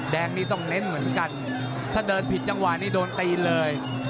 แดงนี้ต้องเน้นเหมือนกันถ้าเดินผิดจังหวะนี้โดนตีนเลย